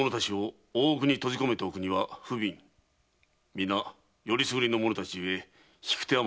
みな選りすぐりの者たちゆえ引く手あまた。